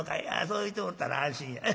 そう言うてもろうたら安心や。